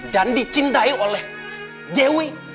dan dicintai oleh dewi